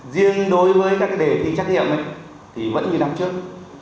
riêng đối với các đề thi trách nhiệm thì vẫn như năm trước